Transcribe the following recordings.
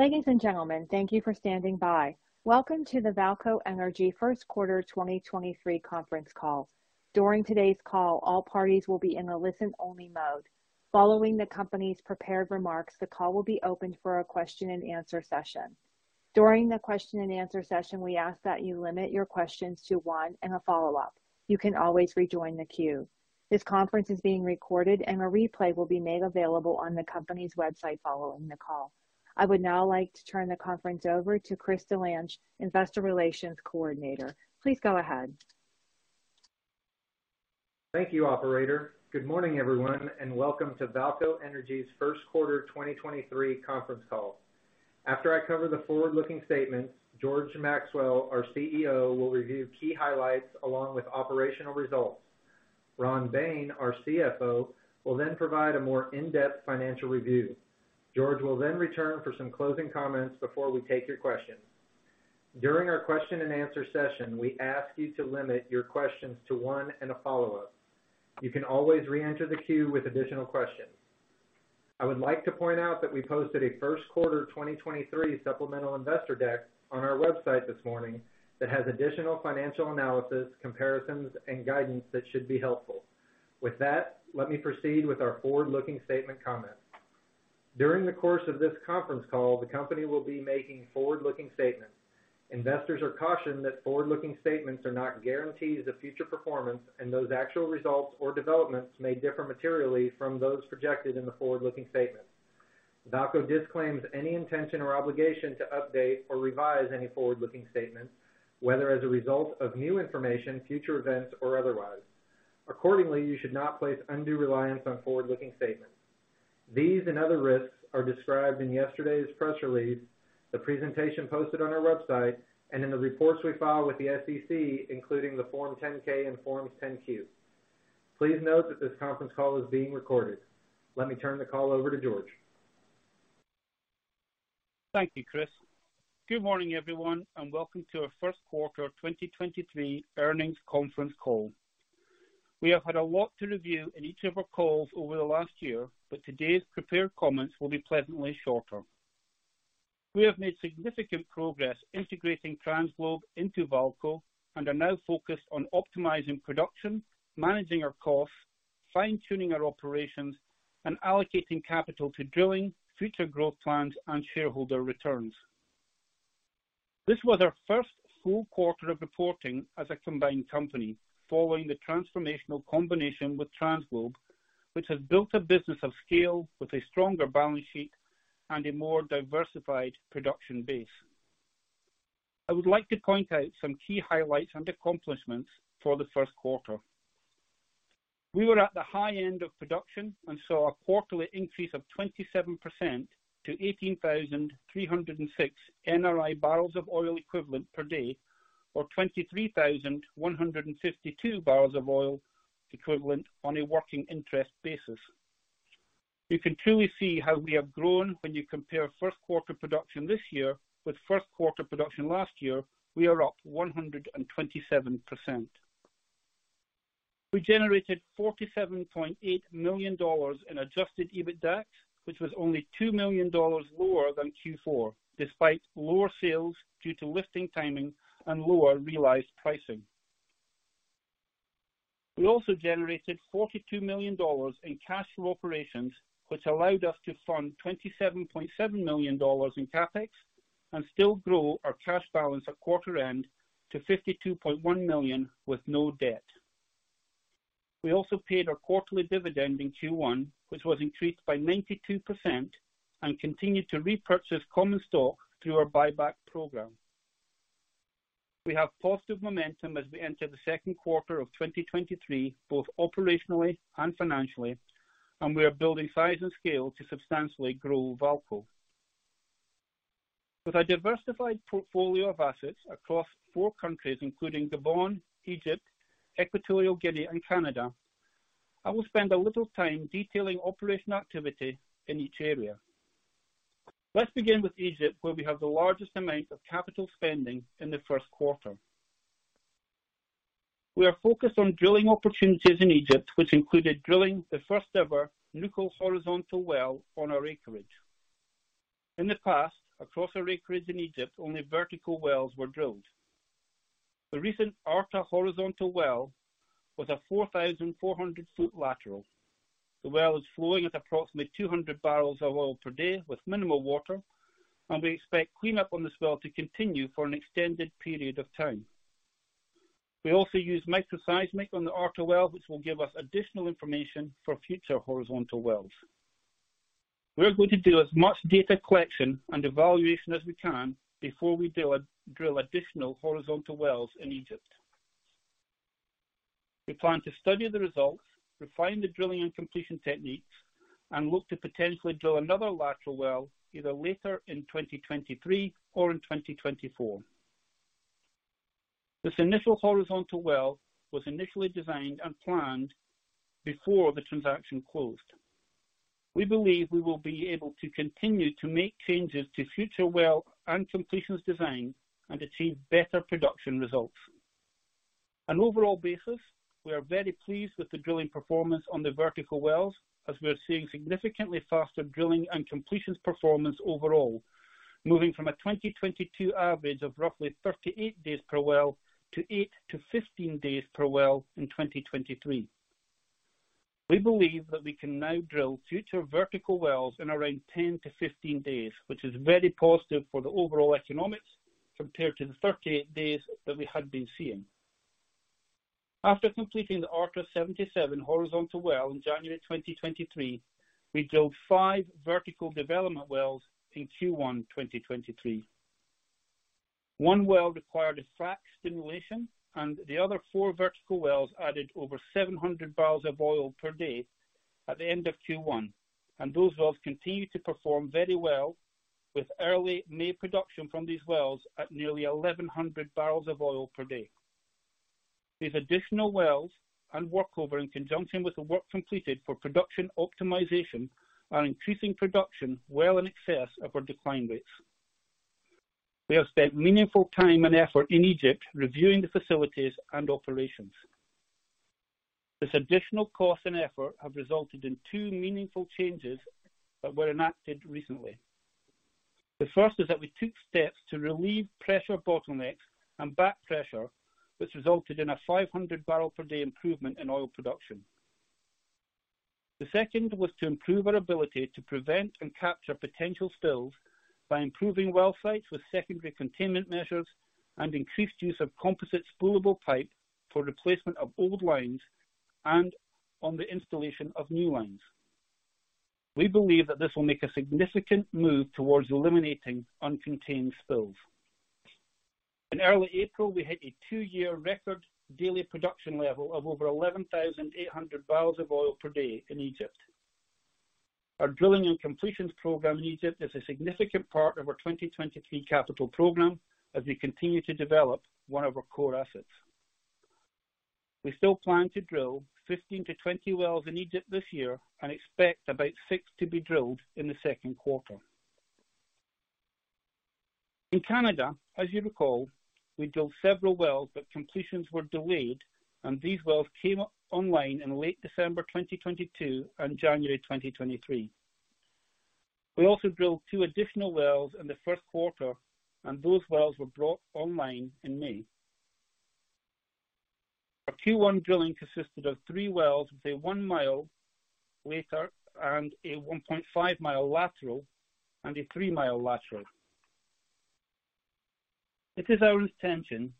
Ladies and gentlemen, thank you for standing by. Welcome to the VAALCO Energy First Quarter 2023 Conference Call. During today's call, all parties will be in a listen only mode. Following the company's prepared remarks, the call will be opened for a question-and-answer session. During the question-and-answer session, we ask that you limit your questions to one and a follow-up. You can always rejoin the queue. This conference is being recorded and a replay will be made available on the company's website following the call. I would now like to turn the conference over to Chris Delange, investor relations coordinator. Please go ahead. Thank you, operator. Good morning, everyone, welcome to VAALCO Energy's first quarter 2023 conference call. After I cover the forward-looking statements, George Maxwell, our CEO, will review key highlights along with operational results. Ron Bain, our CFO, will provide a more in-depth financial review. George will return for some closing comments before we take your questions. During our question-and-answer session, we ask you to limit your questions to one and a follow-up. You can always re-enter the queue with additional questions. I would like to point out that we posted a first quarter 2023 supplemental investor deck on our website this morning that has additional financial analysis, comparisons, and guidance that should be helpful. With that, let me proceed with our forward-looking statement comments. During the course of this conference call, the company will be making forward-looking statements. Investors are cautioned that forward-looking statements are not guarantees of future performance, and those actual results or developments may differ materially from those projected in the forward-looking statements. VAALCO disclaims any intention or obligation to update or revise any forward-looking statements, whether as a result of new information, future events, or otherwise. Accordingly, you should not place undue reliance on forward-looking statements. These and other risks are described in yesterday's press release, the presentation posted on our website, and in the reports we file with the SEC, including the Form 10-K and Forms 10-Q. Please note that this conference call is being recorded. Let me turn the call over to George. Thank you, Chris. Good morning, everyone, and welcome to our first quarter 2023 earnings conference call. We have had a lot to review in each of our calls over the last year, but today's prepared comments will be pleasantly shorter. We have made significant progress integrating TransGlobe into VAALCO and are now focused on optimizing production, managing our costs, fine-tuning our operations, and allocating capital to drilling future growth plans and shareholder returns. This was our first full quarter of reporting as a combined company following the transformational combination with TransGlobe, which has built a business of scale with a stronger balance sheet and a more diversified production base. I would like to point out some key highlights and accomplishments for the first quarter. We were at the high end of production and saw a quarterly increase of 27% to 18,306 NRI BOE per day or 23,152 BOE on a working interest basis. You can truly see how we have grown when you compare first quarter production this year with first quarter production last year, we are up 127%. We generated $47.8 million in Adjusted EBITDA, which was only $2 million lower than Q4, despite lower sales due to lifting timing and lower realized pricing. We also generated $42 million in cash flow operations, which allowed us to fund $27.7 million in CapEx and still grow our cash balance at quarter end to $52.1 million with no debt. We also paid our quarterly dividend in Q1, which was increased by 92% and continued to repurchase common stock through our buyback program. We have positive momentum as we enter the second quarter of 2023, both operationally and financially. We are building size and scale to substantially grow VAALCO. With a diversified portfolio of assets across four countries including Gabon, Egypt, Equatorial Guinea, and Canada, I will spend a little time detailing operational activity in each area. Let's begin with Egypt, where we have the largest amount of capital spending in the first quarter. We are focused on drilling opportunities in Egypt, which included drilling the first ever Nukhul horizontal well on our acreage. In the past, across our acres in Egypt, only vertical wells were drilled. The recent Arta horizontal well was a 4,400 foot lateral. The well is flowing at approximately 200 barrels of oil per day with minimal water. We expect cleanup on this well to continue for an extended period of time. We also use micro seismic on the Arta well, which will give us additional information for future horizontal wells. We are going to do as much data collection and evaluation as we can before we drill additional horizontal wells in Egypt. We plan to study the results, refine the drilling and completion techniques, and look to potentially drill another lateral well either later in 2023 or in 2024. This initial horizontal well was initially designed and planned before the transaction closed. We believe we will be able to continue to make changes to future well and completions design and achieve better production results. On overall basis, we are very pleased with the drilling performance on the vertical wells as we are seeing significantly faster drilling and completions performance overall, moving from a 2022 average of roughly 38 days per well to eight days-15 days per well in 2023. We believe that we can now drill future vertical wells in around 10 days-15 days, which is very positive for the overall economics compared to the 38 days that we had been seeing. After completing the Orca-77 horizontal well in January 2023, we drilled five vertical development wells in Q1 2023. One well required a frac stimulation and the other four vertical wells added over 700 barrels of oil per day at the end of Q1. Those wells continue to perform very well with early May production from these wells at nearly 1,100 barrels of oil per day. These additional wells and work over in conjunction with the work completed for production optimization are increasing production well in excess of our decline rates. We have spent meaningful time and effort in Egypt reviewing the facilities and operations. This additional cost and effort have resulted in two meaningful changes that were enacted recently. The first is that we took steps to relieve pressure bottlenecks and back pressure, which resulted in a 500 barrel per day improvement in oil production. The second was to improve our ability to prevent and capture potential spills by improving well sites with secondary containment measures and increased use of composite spoolable pipe for replacement of old lines and on the installation of new lines. We believe that this will make a significant move towards eliminating uncontained spills. In early April, we hit a two-year record daily production level of over 11,800 barrels of oil per day in Egypt. Our drilling and completions program in Egypt is a significant part of our 2023 capital program as we continue to develop one of our core assets. We still plan to drill 15-20 wells in Egypt this year and expect about six to be drilled in the second quarter. In Canada, as you recall, we drilled several wells but completions were delayed, and these wells came online in late December 2022 and January 2023. We also drilled two additional wells in the first quarter, and those wells were brought online in May. Our Q1 drilling consisted of three wells with a one-mile lateral and a 1.5-mile lateral and a three-mile lateral. It is our intention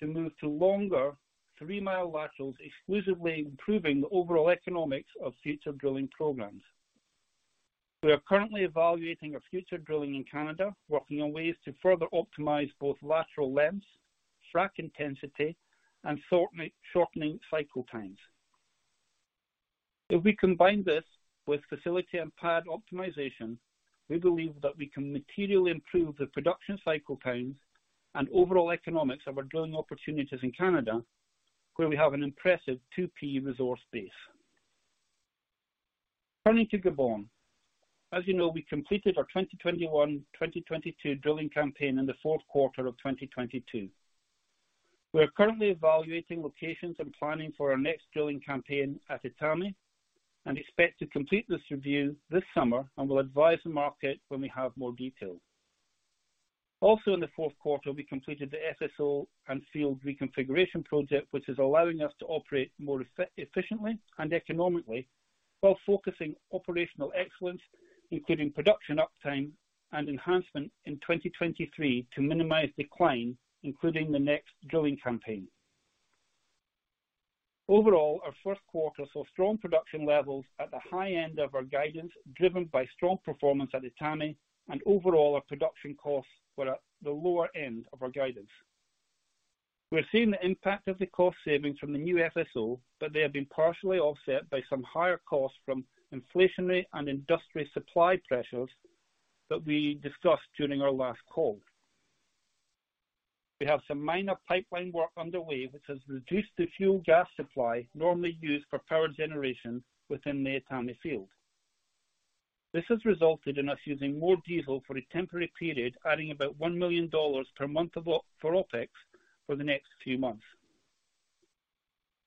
to move to longer three-mile laterals, exclusively improving the overall economics of future drilling programs. We are currently evaluating our future drilling in Canada, working on ways to further optimize both lateral lengths, frac intensity, and shortening cycle times. If we combine this with facility and pad optimization, we believe that we can materially improve the production cycle times and overall economics of our drilling opportunities in Canada, where we have an impressive 2P resource base. Turning to Gabon. As you know, we completed our 2021, 2022 drilling campaign in the fourth quarter of 2022. We are currently evaluating locations and planning for our next drilling campaign at Etame, expect to complete this review this summer and will advise the market when we have more details. Also in the fourth quarter, we completed the FSO and field reconfiguration project, which is allowing us to operate more efficiently and economically while focusing operational excellence, including production uptime and enhancement in 2023 to minimize decline, including the next drilling campaign. Overall, our first quarter saw strong production levels at the high end of our guidance, driven by strong performance at Etame. Overall, our production costs were at the lower end of our guidance. We are seeing the impact of the cost savings from the new FSO, they have been partially offset by some higher costs from inflationary and industry supply pressures that we discussed during our last call. We have some minor pipeline work underway, which has reduced the fuel gas supply normally used for power generation within the Etame field. This has resulted in us using more diesel for a temporary period, adding about $1 million per month for OpEx for the next few months.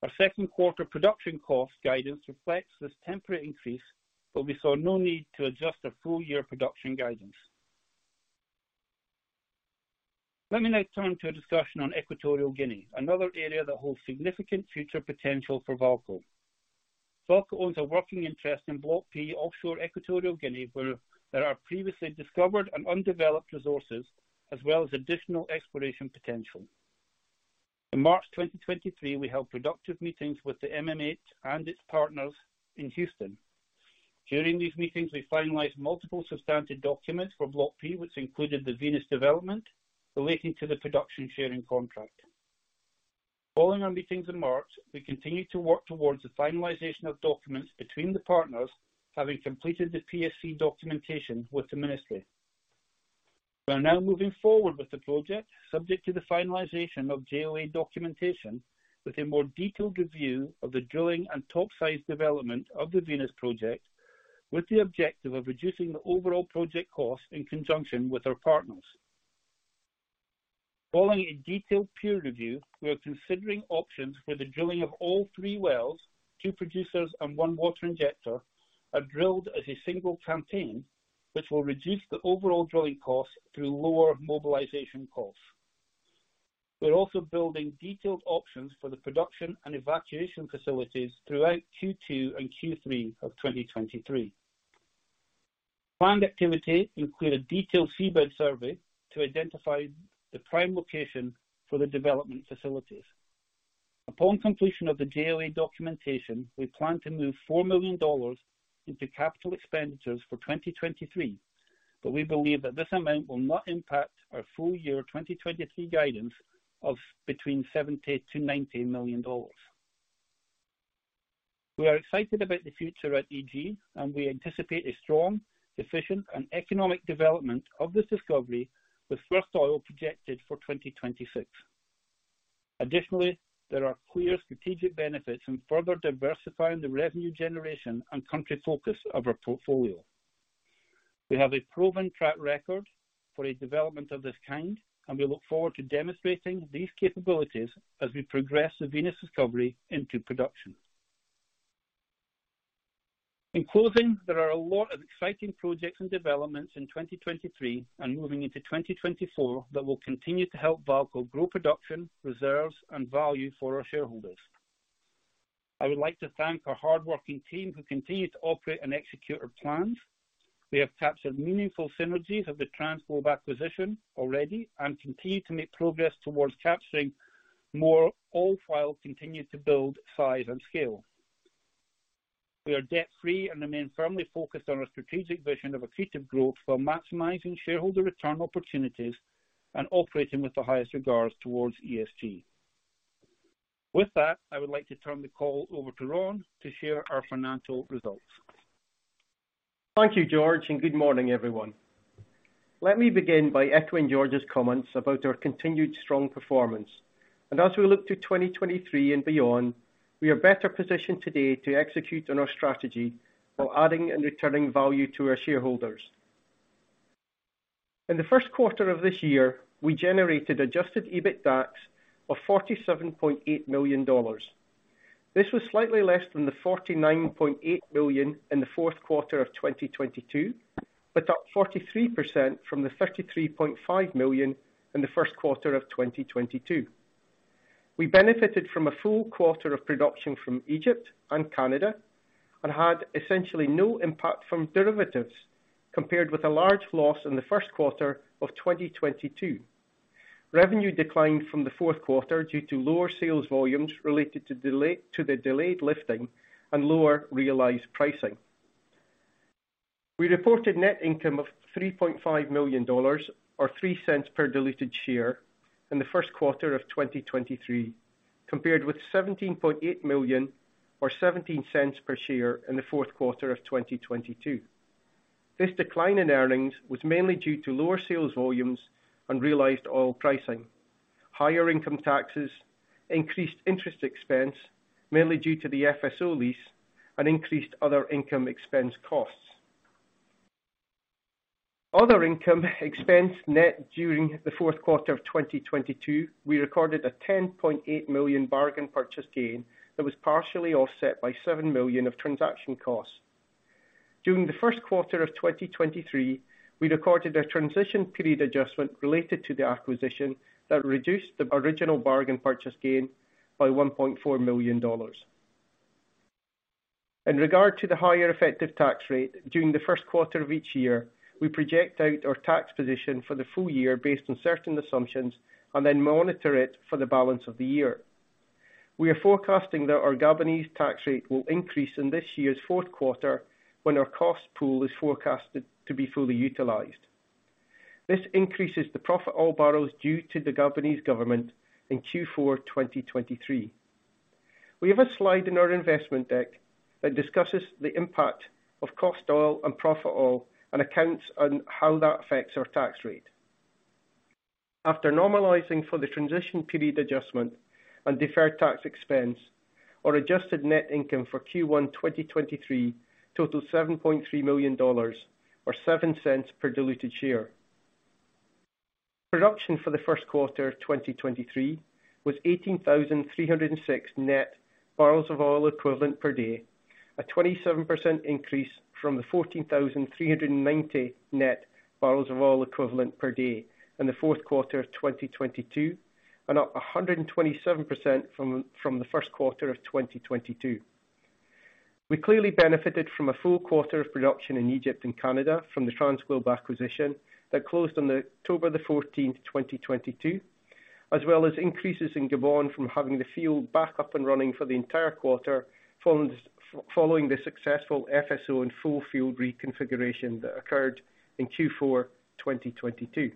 Our second quarter production cost guidance reflects this temporary increase. We saw no need to adjust our full year production guidance. Let me now turn to a discussion on Equatorial Guinea, another area that holds significant future potential for VAALCO. VAALCO owns a working interest in Block P offshore Equatorial Guinea, where there are previously discovered and undeveloped resources as well as additional exploration potential. In March 2023, we held productive meetings with the MMH and its partners in Houston. During these meetings, we finalized multiple substantive documents for Block P, which included the Venus development relating to the production sharing contract. Following our meetings in March, we continued to work towards the finalization of documents between the partners having completed the PSC documentation with the ministry. We are now moving forward with the project subject to the finalization of JOA documentation with a more detailed review of the drilling and topsides development of the Venus project. With the objective of reducing the overall project cost in conjunction with our partners. Following a detailed peer review, we are considering options for the drilling of all three wells, two producers and one water injector, are drilled as a single campaign, which will reduce the overall drilling costs through lower mobilization costs. We are also building detailed options for the production and evacuation facilities throughout Q2 and Q3 of 2023. Planned activity include a detailed seabed survey to identify the prime location for the development facilities. Upon completion of the JOA documentation, we plan to move $4 million into capital expenditures for 2023. We believe that this amount will not impact our full year 2023 guidance of between $70 million-$90 million. We are excited about the future at EG. We anticipate a strong, efficient, and economic development of this discovery with first oil projected for 2026. Additionally, there are clear strategic benefits in further diversifying the revenue generation and country focus of our portfolio. We have a proven track record for a development of this kind. We look forward to demonstrating these capabilities as we progress the Venus discovery into production. In closing, there are a lot of exciting projects and developments in 2023 and moving into 2024 that will continue to help VAALCO grow production, reserves, and value for our shareholders. I would like to thank our hardworking team who continue to operate and execute our plans. We have captured meaningful synergies of the TransGlobe acquisition already and continue to make progress towards capturing more oil while continuing to build size and scale. We are debt-free and remain firmly focused on our strategic vision of accretive growth while maximizing shareholder return opportunities and operating with the highest regards towards ESG. With that, I would like to turn the call over to Ron to share our financial results. Thank you, George, good morning, everyone. Let me begin by echoing George's comments about our continued strong performance. As we look to 2023 and beyond, we are better positioned today to execute on our strategy while adding and returning value to our shareholders. In the first quarter of this year, we generated Adjusted EBITDAX of $47.8 million. This was slightly less than the $49.8 million in the fourth quarter of 2022, but up 43% from the $33.5 million in the first quarter of 2022. We benefited from a full quarter of production from Egypt and Canada and had essentially no impact from derivatives, compared with a large loss in the first quarter of 2022. Revenue declined from the fourth quarter due to lower sales volumes related to the delayed lifting and lower realized pricing. We reported net income of $3.5 million or $0.03 per diluted share in the first quarter of 2023, compared with $17.8 million or $0.17 per share in the fourth quarter of 2022. This decline in earnings was mainly due to lower sales volumes and realized oil pricing, higher income taxes, increased interest expense, mainly due to the FSO lease, and increased other income expense costs. Other income expense net during the fourth quarter of 2022, we recorded a $10.8 million bargain purchase gain that was partially offset by $7 million of transaction costs. During the first quarter of 2023, we recorded a transition period adjustment related to the acquisition that reduced the original bargain purchase gain by $1.4 million. In regard to the higher effective tax rate, during the first quarter of each year, we project out our tax position for the full year based on certain assumptions, and then monitor it for the balance of the year. We are forecasting that our Gabonese tax rate will increase in this year's fourth quarter when our cost pool is forecasted to be fully utilized. This increases the profit oil barrels due to the Gabonese government in Q4 2023. We have a slide in our investment deck that discusses the impact of cost oil and profit oil and accounts on how that affects our tax rate. After normalizing for the transition period adjustment and deferred tax expense, our adjusted net income for Q1 2023 totaled $7.3 million or $0.07 per diluted share. Production for the first quarter of 2023 was 18,306 net barrels of oil equivalent per day, a 27% increase from the 14,390 net barrels of oil equivalent per day in the fourth quarter of 2022 and up 127% from the first quarter of 2022. We clearly benefited from a full quarter of production in Egypt and Canada from the TransGlobe acquisition that closed on October 14th, 2022, as well as increases in Gabon from having the field back up and running for the entire quarter following the successful FSO and full field reconfiguration that occurred in Q4 2022.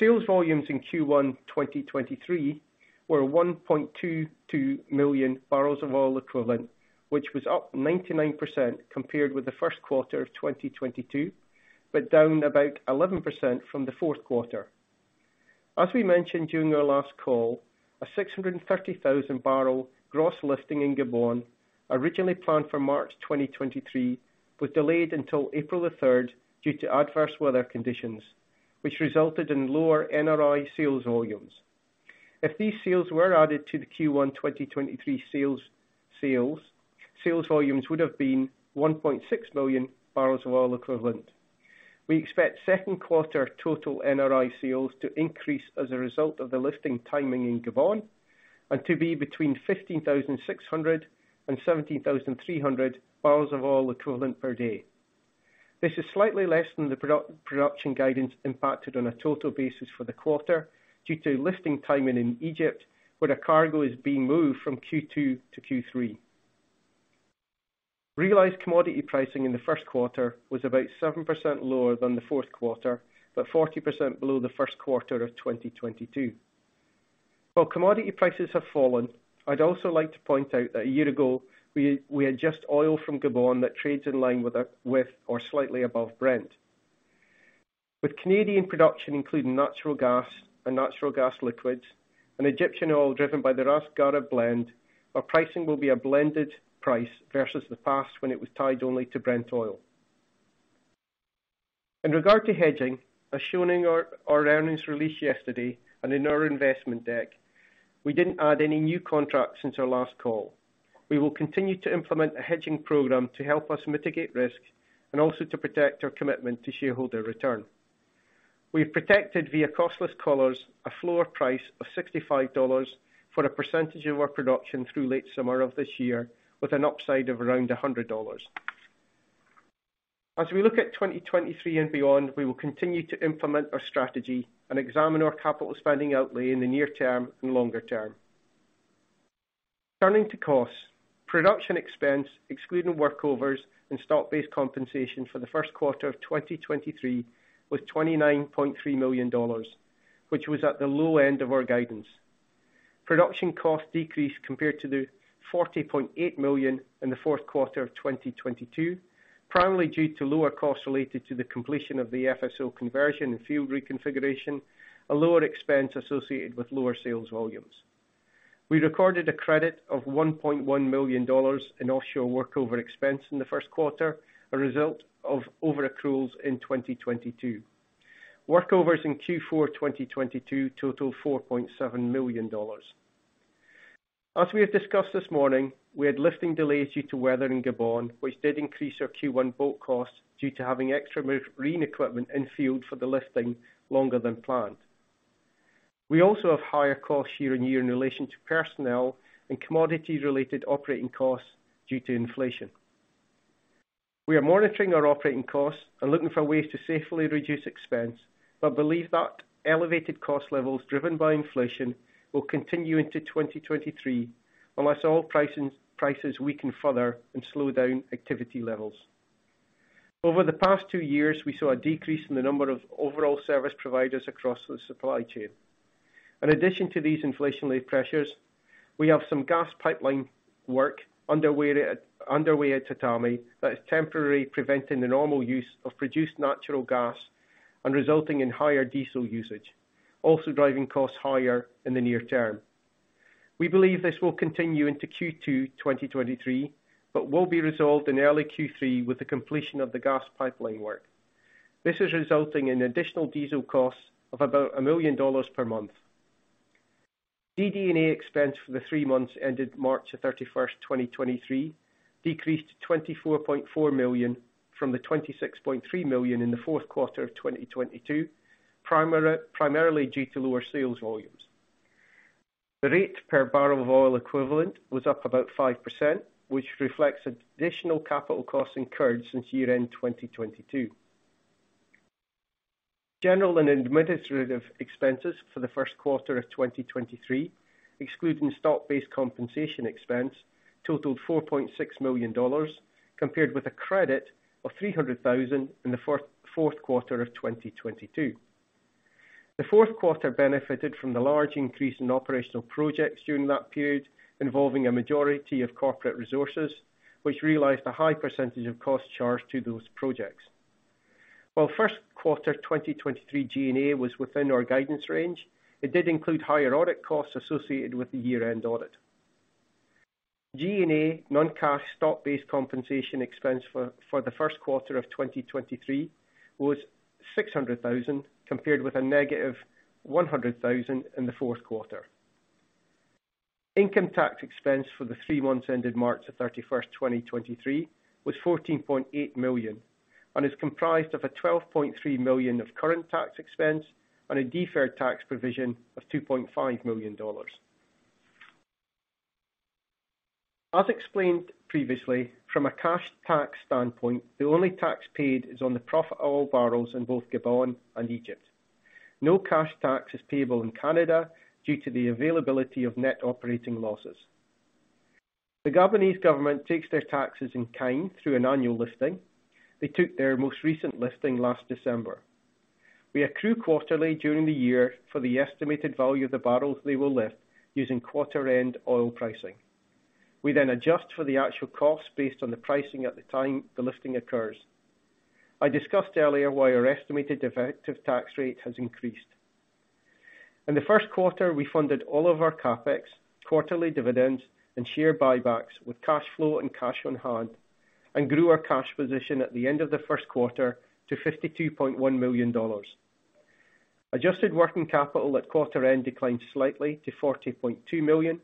Sales volumes in Q1 2023 were 1.22 million barrels of oil equivalent, which was up 99% compared with the first quarter of 2022. Down about 11% from the fourth quarter. As we mentioned during our last call, a 630,000 barrel gross lifting in Gabon, originally planned for March 2023, was delayed until April 3rd due to adverse weather conditions, which resulted in lower NRI sales volumes. If these sales were added to the Q1 2023 sales volumes would have been 1.6 million barrels of oil equivalent. We expect second quarter total NRI sales to increase as a result of the lifting timing in Gabon, and to be between 15,600 and 17,300 barrels of oil equivalent per day. This is slightly less than the production guidance impacted on a total basis for the quarter due to lifting timing in Egypt, where the cargo is being moved from Q2 to Q3. Realized commodity pricing in the first quarter was about 7% lower than the fourth quarter, but 40% below the first quarter of 2022. While commodity prices have fallen, I'd also like to point out that a year ago, we had just oil from Gabon that trades in line with or slightly above Brent. With Canadian production, including natural gas and Natural Gas Liquids, and Egyptian oil driven by the Ras Gharib blend, our pricing will be a blended price versus the past when it was tied only to Brent oil. In regard to hedging, as shown in our earnings release yesterday and in our investment deck, we didn't add any new contracts since our last call. We will continue to implement a hedging program to help us mitigate risk and also to protect our commitment to shareholder return. We have protected via costless collars a floor price of $65 for a percentage of our production through late summer of this year, with an upside of around $100. As we look at 2023 and beyond, we will continue to implement our strategy and examine our capital spending outlay in the near term and longer term. Turning to costs. Production expense, excluding workovers and stock-based compensation for the first quarter of 2023 was $29.3 million, which was at the low end of our guidance. Production costs decreased compared to $40.8 million in the fourth quarter of 2022, primarily due to lower costs related to the completion of the FSO conversion and field reconfiguration, a lower expense associated with lower sales volumes. We recorded a credit of $1.1 million in offshore workover expense in the first quarter, a result of overaccruals in 2022. Workovers in Q4 2022 totaled $4.7 million. As we have discussed this morning, we had lifting delays due to weather in Gabon, which did increase our Q1 boat costs due to having extra marine equipment in field for the lifting longer than planned. We also have higher costs year-over-year in relation to personnel and commodity-related operating costs due to inflation. We are monitoring our operating costs and looking for ways to safely reduce expense, but believe that elevated cost levels driven by inflation will continue into 2023 unless oil prices weaken further and slow down activity levels. Over the past two years, we saw a decrease in the number of overall service providers across the supply chain. In addition to these inflationary pressures, we have some gas pipeline work underway at Harmattan that is temporarily preventing the normal use of produced natural gas and resulting in higher diesel usage, also driving costs higher in the near term. We believe this will continue into Q2 2023, but will be resolved in early Q3 with the completion of the gas pipeline work. This is resulting in additional diesel costs of about $1 million per month. DD&A expense for the three months ended March 31st, 2023, decreased to $24.4 million from the $26.3 million in the fourth quarter of 2022, primarily due to lower sales volumes. The rate per barrel of oil equivalent was up about 5%, which reflects additional capital costs incurred since year-end 2022. General and administrative expenses for the first quarter of 2023, excluding stock-based compensation expense, totaled $4.6 million, compared with a credit of $300,000 in the fourth quarter of 2022. The fourth quarter benefited from the large increase in operational projects during that period, involving a majority of corporate resources, which realized a high percentage of costs charged to those projects. While first quarter 2023 G&A was within our guidance range, it did include higher audit costs associated with the year-end audit. G&A non-cash stock-based compensation expense for the first quarter of 2023 was $600,000, compared with a negative $100,000 in the fourth quarter. Income tax expense for the three months ended March 31st, 2023, was $14.8 million and is comprised of a $12.3 million of current tax expense and a deferred tax provision of $2.5 million. As explained previously, from a cash tax standpoint, the only tax paid is on the profit of oil barrels in both Gabon and Egypt. No cash tax is payable in Canada due to the availability of net operating losses. The Gabonese government takes their taxes in kind through an annual lifting. They took their most recent lifting last December. We accrue quarterly during the year for the estimated value of the barrels they will lift using quarter-end oil pricing. We then adjust for the actual cost based on the pricing at the time the lifting occurs. I discussed earlier why our estimated effective tax rate has increased. In the first quarter, we funded all of our CapEx, quarterly dividends, and share buybacks with cash flow and cash on hand, and grew our cash position at the end of the first quarter to $52.1 million. Adjusted working capital at quarter end declined slightly to $40.2 million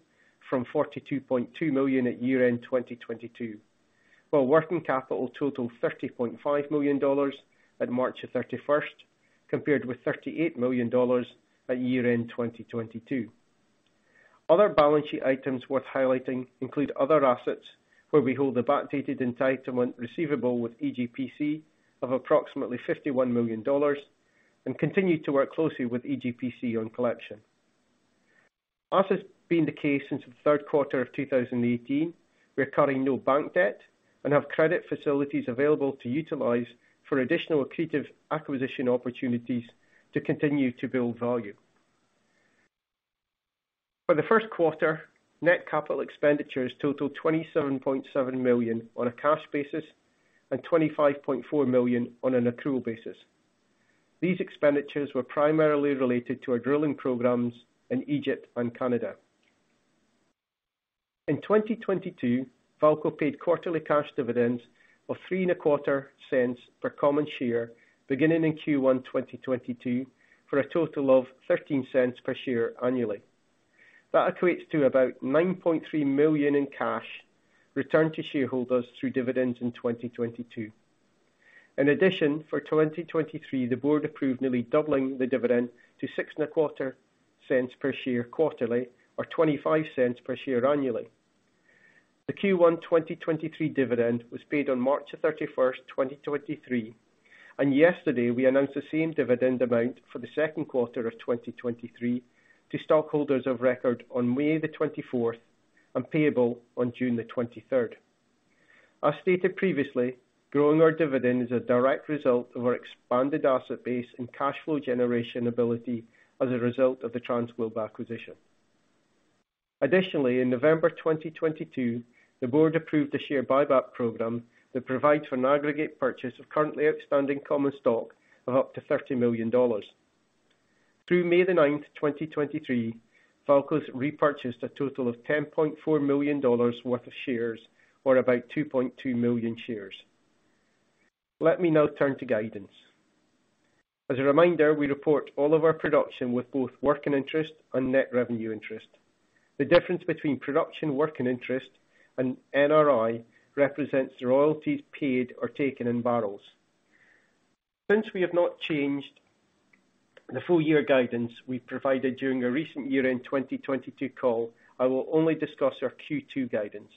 from $42.2 million at year-end 2022, while working capital totaled $30.5 million at March 31st, compared with $38 million at year-end 2022. Other balance sheet items worth highlighting include other assets where we hold a backdated entitlement receivable with EGPC of approximately $51 million and continue to work closely with EGPC on collection. As has been the case since the third quarter of 2018, we are carrying no bank debt and have credit facilities available to utilize for additional accretive acquisition opportunities to continue to build value. For the first quarter, net capital expenditures totaled $27.7 million on a cash basis and $25.4 million on an accrual basis. These expenditures were primarily related to our drilling programs in Egypt and Canada. In 2022, VAALCO paid quarterly cash dividends of three and a quarter cents per common share beginning in Q1 2022, for a total of $0.13 per share annually. That equates to about $9.3 million in cash returned to shareholders through dividends in 2022. In addition, for 2023, the board approved nearly doubling the dividend to six and a quarter cents per share quarterly or $0.25 per share annually. The Q1 2023 dividend was paid on March 31st, 2023, and yesterday we announced the same dividend amount for the second quarter of 2023 to stockholders of record on May 24th and payable on June 23rd. As stated previously, growing our dividend is a direct result of our expanded asset base and cash flow generation ability as a result of the TransGlobe acquisition. Additionally, in November 2022, the board approved a share buyback program that provides for an aggregate purchase of currently outstanding common stock of up to $30 million. Through May 9th, 2023, VAALCO's repurchased a total of $10.4 million worth of shares, or about 2.2 million shares. Let me now turn to guidance. As a reminder, we report all of our production with both working interest and Net Revenue Interest. The difference between production working interest and NRI represents the royalties paid or taken in barrels. Since we have not changed the full year guidance we provided during our recent year-end 2022 call, I will only discuss our Q2 guidance.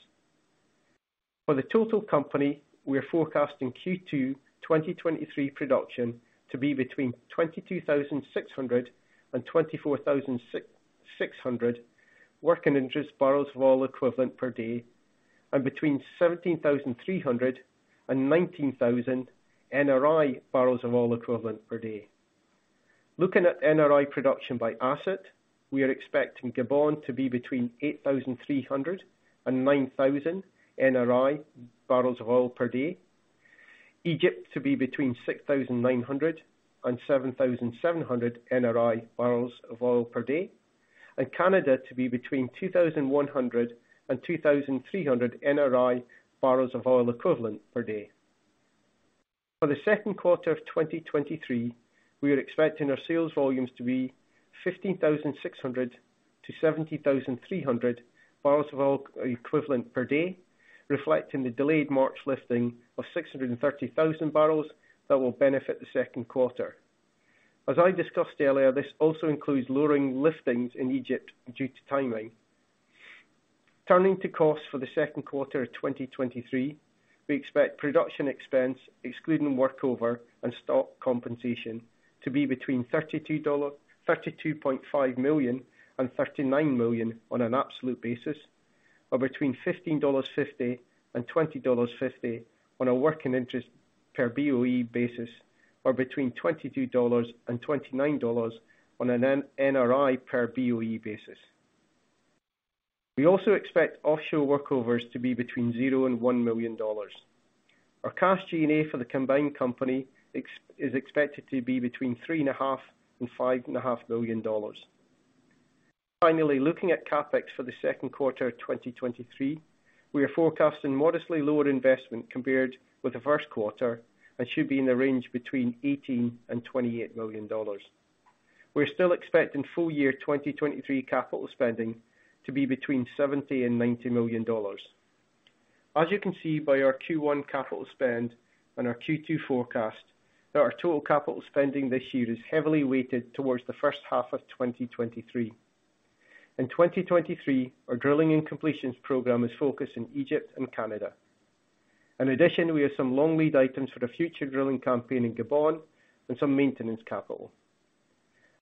For the total company, we are forecasting Q2 2023 production to be between 22,600 and 24,600 working interest barrels of oil equivalent per day and between 17,300 NRI barrels and 19,000 NRI barrels of oil equivalent per day. Looking at NRI production by asset, we are expecting Gabon to be between 8,300 NRI barrels and 9,000 NRI barrels of oil per day, Egypt to be between 6,900 NRI barrels and 7,700 NRI barrels of oil per day, and Canada to be between 2,100 NRI barrels and 2,300 NRI barrels of oil equivalent per day. For the second quarter of 2023, we are expecting our sales volumes to be 15,600 barrels-70,300 barrels of oil equivalent per day, reflecting the delayed March lifting of 630,000 barrels that will benefit the second quarter. As I discussed earlier, this also includes lowering liftings in Egypt due to timing. Turning to costs for the second quarter of 2023, we expect production expense, excluding workover and stock compensation, to be between $32.5 million and $39 million on an absolute basis or between $15.50 and $20.50 on a working interest per BOE basis or between $22 and $29 on an NRI per BOE basis. We also expect offshore workovers to be between $0 and $1 million. Our cash G&A for the combined company is expected to be between three and a half and five and a half million dollars. Finally, looking at CapEx for the second quarter of 2023, we are forecasting modestly lower investment compared with the first quarter and should be in the range between $18 million and $28 million. We are still expecting full year 2023 capital spending to be between $70 million and $90 million. As you can see by our Q1 capital spend and our Q2 forecast that our total capital spending this year is heavily weighted towards the first half of 2023. In 2023, our drilling and completions program is focused in Egypt and Canada. In addition, we have some long lead items for the future drilling campaign in Gabon and some maintenance capital.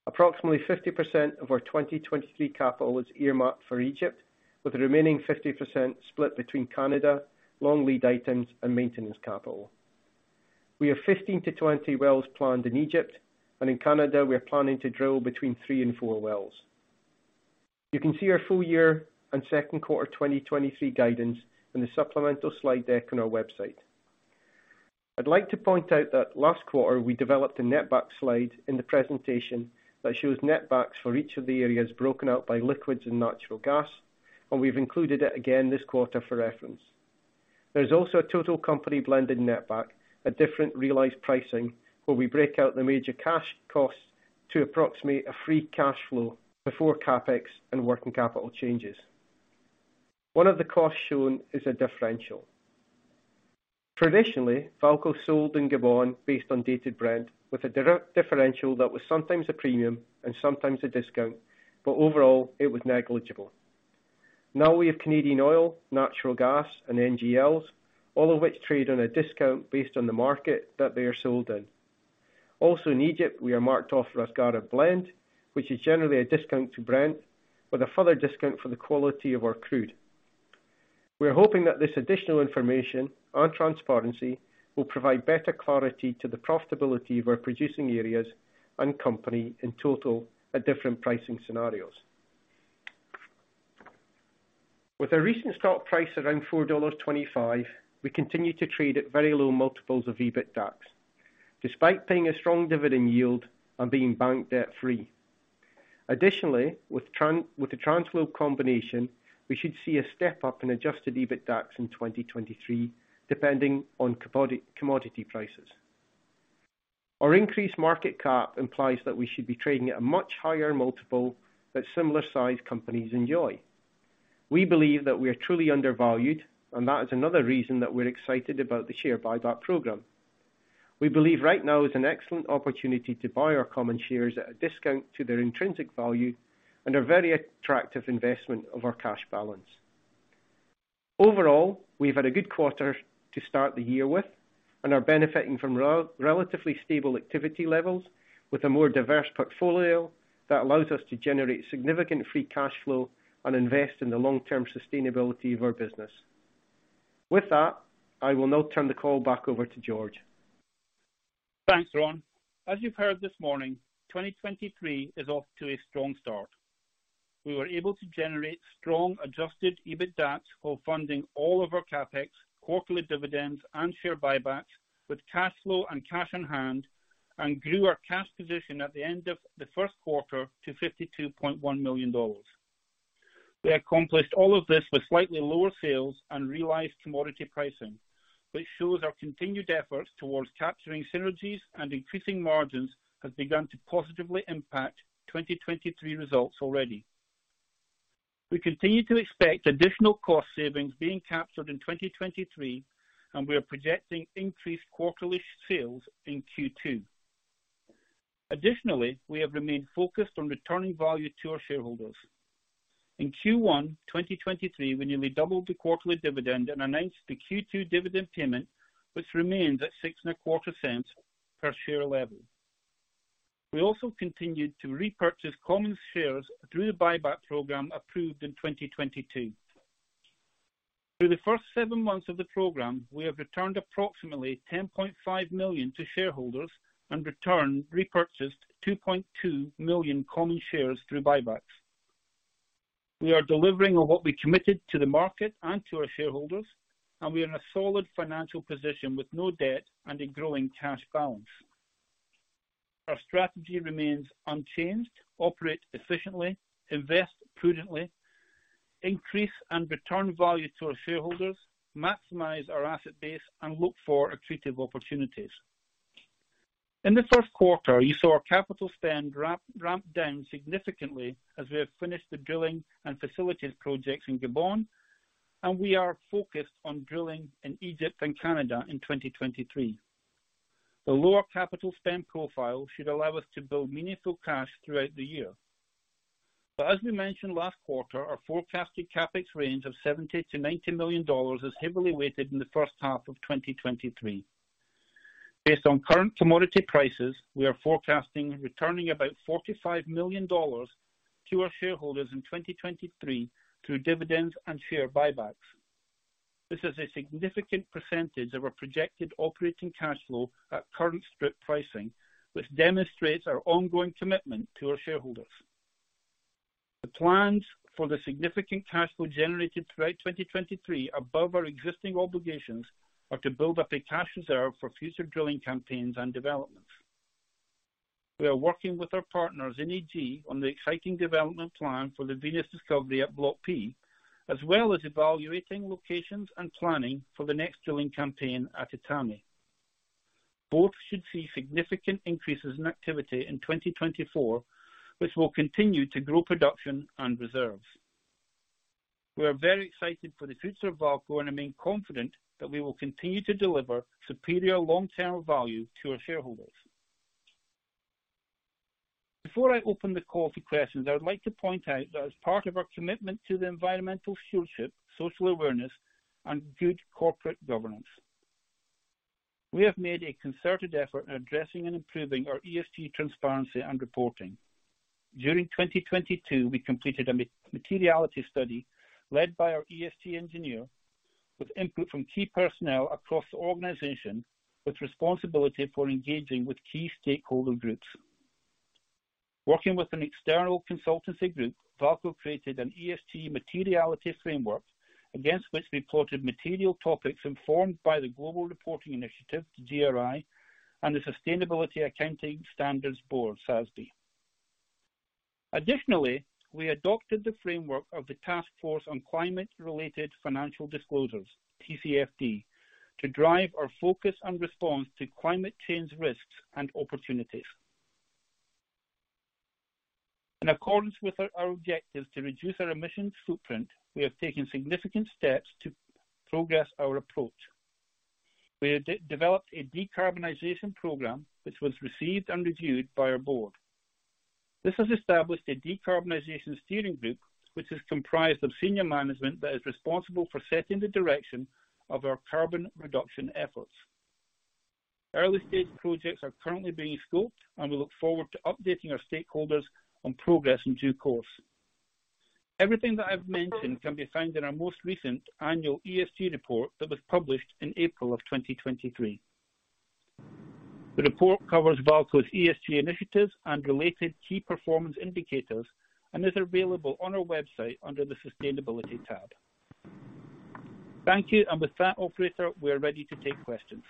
Approximately 50% of our 2023 capital is earmarked for Egypt, with the remaining 50% split between Canada, long lead items, and maintenance capital. We have 15-20 wells planned in Egypt, and in Canada we are planning to drill between three and four wells. You can see our full year and second quarter 2023 guidance in the supplemental slide deck on our website. I'd like to point out that last quarter we developed a netback slide in the presentation that shows netbacks for each of the areas broken out by liquids and natural gas. We've included it again this quarter for reference. There's also a total company blended netback at different realized pricing, where we break out the major cash costs to approximate a free cash flow before CapEx and working capital changes. One of the costs shown is a differential. Traditionally, VAALCO sold in Gabon based on dated Brent with a differential that was sometimes a premium and sometimes a discount, but overall it was negligible. Now we have Canadian oil, natural gas, and NGLs, all of which trade on a discount based on the market that they are sold in. In Egypt, we are marked off Ras Gharib blend, which is generally a discount to Brent with a further discount for the quality of our crude. We are hoping that this additional information and transparency will provide better clarity to the profitability of our producing areas and company in total at different pricing scenarios. With our recent stock price around $4.25, we continue to trade at very low multiples of EBITDA, despite paying a strong dividend yield and being bank debt-free. With the TransGlobe combination, we should see a step up in Adjusted EBITDAX in 2023, depending on commodity prices. Our increased market cap implies that we should be trading at a much higher multiple that similar size companies enjoy. We believe that we are truly undervalued, and that is another reason that we're excited about the share buyback program. We believe right now is an excellent opportunity to buy our common shares at a discount to their intrinsic value and a very attractive investment of our cash balance. Overall, we've had a good quarter to start the year with and are benefiting from relatively stable activity levels with a more diverse portfolio that allows us to generate significant free cash flow and invest in the long-term sustainability of our business. I will now turn the call back over to George. Thanks, Ron. As you've heard this morning, 2023 is off to a strong start. We were able to generate strong Adjusted EBITDAX while funding all of our CapEx, quarterly dividends, and share buybacks with cash flow and cash on hand, and grew our cash position at the end of the first quarter to $52.1 million. We accomplished all of this with slightly lower sales and realized commodity pricing, which shows our continued efforts towards capturing synergies and increasing margins has begun to positively impact 2023 results already. We continue to expect additional cost savings being captured in 2023. We are projecting increased quarterly sales in Q2. Additionally, we have remained focused on returning value to our shareholders. In Q1 2023, we nearly doubled the quarterly dividend and announced the Q2 dividend payment, which remains at six and a quarter cents per share level. We also continued to repurchase common shares through the buyback program approved in 2022. Through the first seven months of the program, we have returned approximately $10.5 million to shareholders and return repurchased 2.2 million common shares through buybacks. We are delivering on what we committed to the market and to our shareholders. We are in a solid financial position with no debt and a growing cash balance. Our strategy remains unchanged: operate efficiently, invest prudently, increase and return value to our shareholders, maximize our asset base, and look for accretive opportunities. In the first quarter, you saw our capital spend ramp down significantly as we have finished the drilling and facilities projects in Gabon. We are focused on drilling in Egypt and Canada in 2023. The lower capital spend profile should allow us to build meaningful cash throughout the year. As we mentioned last quarter, our forecasted CapEx range of $70 million-$90 million is heavily weighted in the first half of 2023. Based on current commodity prices, we are forecasting returning about $45 million to our shareholders in 2023 through dividends and share buybacks. This is a significant percentage of our projected operating cash flow at current strip pricing, which demonstrates our ongoing commitment to our shareholders. The plans for the significant cash flow generated throughout 2023 above our existing obligations are to build up a cash reserve for future drilling campaigns and developments. We are working with our partners in Egypt on the exciting development plan for the Venus discovery at Block P, as well as evaluating locations and planning for the next drilling campaign at Etame. Both should see significant increases in activity in 2024, which will continue to grow production and reserves. We are very excited for the future of VAALCO and remain confident that we will continue to deliver superior long-term value to our shareholders. Before I open the call to questions, I would like to point out that as part of our commitment to the environmental stewardship, social awareness, and good corporate governance, we have made a concerted effort in addressing and improving our ESG transparency and reporting. During 2022, we completed a materiality study led by our ESG engineer With input from key personnel across the organization with responsibility for engaging with key stakeholder groups. Working with an external consultancy group, VAALCO created an ESG materiality framework against which we plotted material topics informed by the Global Reporting Initiative, GRI, and the Sustainability Accounting Standards Board, SASB. We adopted the framework of the Task Force on Climate-related Financial Disclosures, TCFD, to drive our focus and response to climate change risks and opportunities. In accordance with our objectives to reduce our emissions footprint, we have taken significant steps to progress our approach. We have de-developed a decarbonization program which was received and reviewed by our board. This has established a decarbonization steering group, which is comprised of senior management that is responsible for setting the direction of our carbon reduction efforts. Early stage projects are currently being scoped. We look forward to updating our stakeholders on progress in due course. Everything that I've mentioned can be found in our most recent annual ESG report that was published in April of 2023. The report covers VAALCO's ESG initiatives and related key performance indicators and is available on our website under the Sustainability tab. Thank you. With that operator, we are ready to take questions.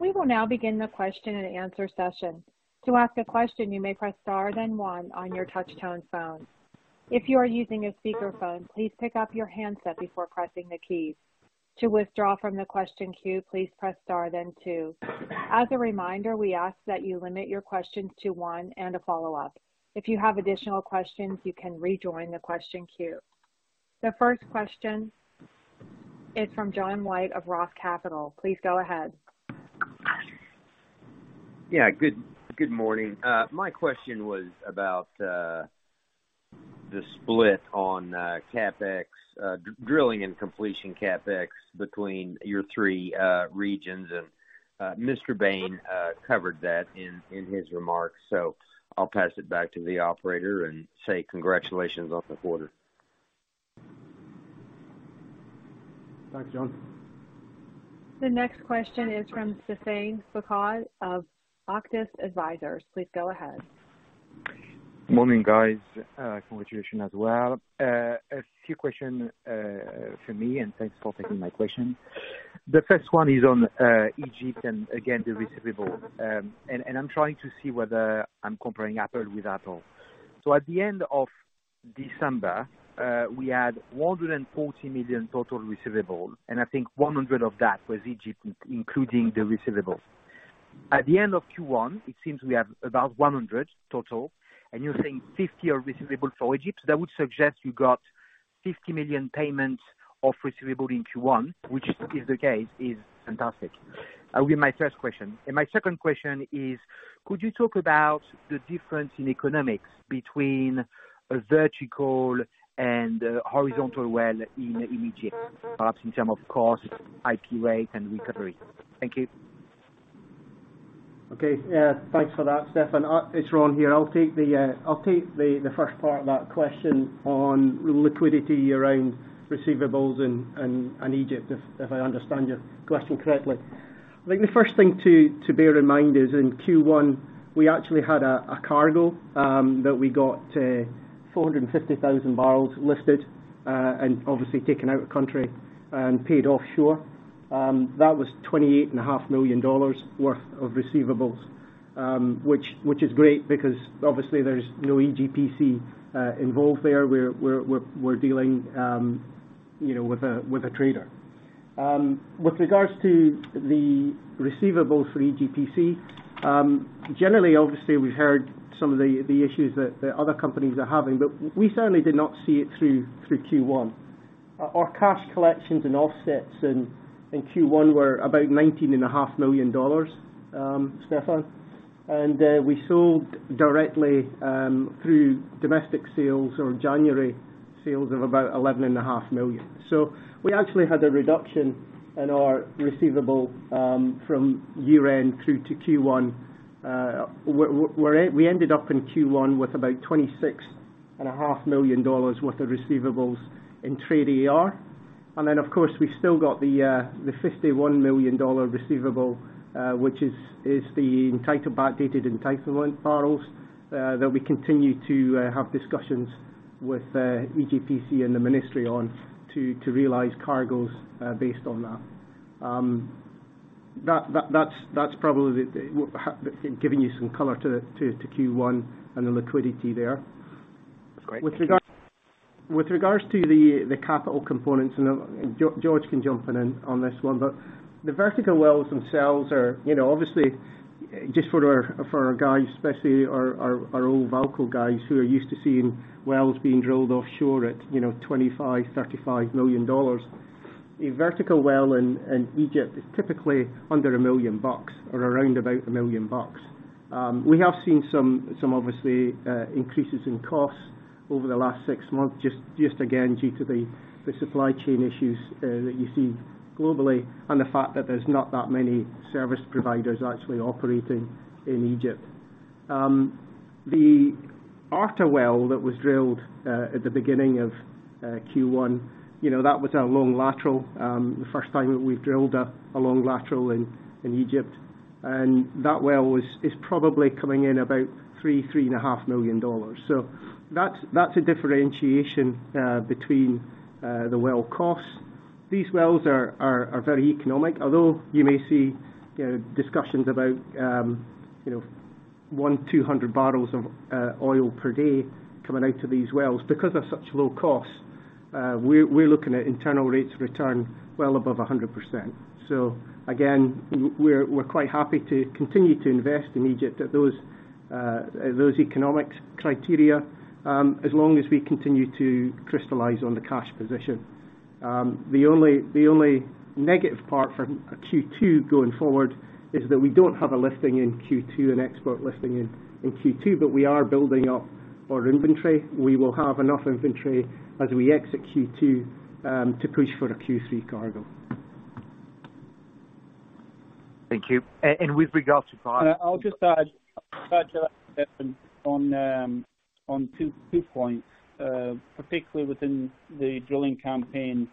We will now begin the question and answer session. To ask a question, you may press Star then One on your touchtone phone. If you are using a speakerphone, please pick up your handset before pressing the keys. To withdraw from the question queue, please press star then two. As a reminder, we ask that you limit your questions to one and a follow-up. If you have additional questions, you can rejoin the question queue. The first question is from John White of Roth Capital. Please go ahead. Yeah. Good morning. My question was about the split on CapEx, drilling and completion CapEx between your three regions. Mr. Bain covered that in his remarks, I'll pass it back to the operator and say congratulations on the quarter. Thanks, John. The next question is from Stephane Foucaud of Auctus Advisors. Please go ahead. Morning, guys. Congratulations as well. A few question from me, and thanks for taking my question. The first one is on Egypt and again, the receivable. I'm trying to see whether I'm comparing apple with apple. At the end of December, we had $140 million total receivable, and I think $100 of that was Egypt, including the receivables. At the end of Q1, it seems we have about $100 total, and you're saying $50 are receivable for Egypt. That would suggest you got $50 million payments of receivable in Q1, which if the case, is fantastic. Will be my first question. My second question is, could you talk about the difference in economics between a vertical and a horizontal well in Egypt, perhaps in terms of cost, IP rate, and recovery? Thank you. Yeah, thanks for that, Stephan. It's Ron here. I'll take the first part of that question on liquidity around receivables in Egypt, if I understand your question correctly. I think the first thing to bear in mind is in Q1, we actually had a cargo that we got 450,000 barrels listed and obviously taken out of country and paid offshore. That was twenty-eight and a half million dollars worth of receivables, which is great because obviously there's no EGPC involved there. We're dealing, you know, with a trader. With regards to the receivables for EGPC, generally, obviously, we've heard some of the issues that other companies are having, but we certainly did not see it through Q1. Our cash collections and offsets in Q1 were about nineteen and a 0.5 million, Stephan. We sold directly through domestic sales or January sales of about eleven and a half million. We actually had a reduction in our receivable from year-end through to Q1. We ended up in Q1 with about twenty-six and a half million dollars worth of receivables in trade AR. Of course, we still got the $51 million receivable, which is the entitled backdated entitlement barrels, that we continue to have discussions with EGPC and the ministry on to realize cargoes based on that. That's probably giving you some color to Q1 and the liquidity there. That's great. With regards to the capital components, and George can jump in on this one, but the vertical wells themselves are, you know, obviously just for our guys, especially our old VAALCO guys who are used to seeing wells being drilled offshore at, you know, $25 million, $35 million. A vertical well in Egypt is typically under $1 million bucks or around about $1 million bucks. We have seen some obviously increases in costs over the last six months just again due to the supply chain issues that you see globally and the fact that there's not that many service providers actually operating in Egypt. The Arta well that was drilled at the beginning of Q1, that was our long lateral, the first time that we've drilled a long lateral in Egypt. That well is probably coming in about $3 million-$3.5 million. That's a differentiation between the well costs. These wells are very economic. Although you may see discussions about 100 barrels-200 barrels of oil per day coming out of these wells. Because they're such low costs, we're looking at internal rates of return well above 100%. Again, we're quite happy to continue to invest in Egypt at those economics criteria, as long as we continue to crystallize on the cash position. The only negative part for Q2 going forward is that we don't have a lifting in Q2, an export lifting in Q2. We are building up our inventory. We will have enough inventory as we exit Q2 to push for a Q3 cargo. Thank you. With regards to that, I'll just add to that, Stephane, on two points. Particularly within the drilling campaign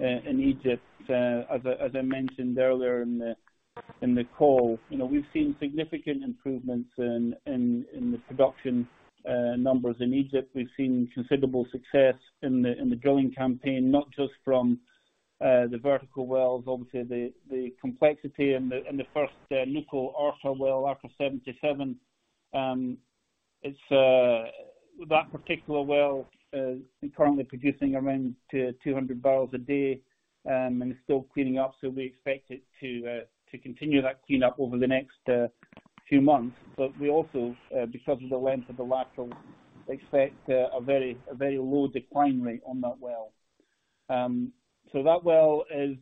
in Egypt, as I mentioned earlier in the call. You know, we've seen significant improvements in the production numbers in Egypt. We've seen considerable success in the drilling campaign, not just from the vertical wells. Obviously the complexity and the first Nukhul Arta well, Arta 77, it's that particular well is currently producing around 200 barrels a day, and it's still cleaning up, so we expect it to continue that cleanup over the next few months. We also, because of the length of the lateral, expect a very low decline rate on that well. That well is